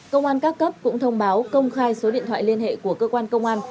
công an các cấp cũng thông báo công khai số điện thoại liên hệ của cơ quan công an